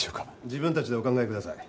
自分たちでお考えください。